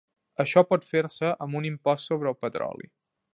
Això pot fer-se amb un impost sobre el petroli.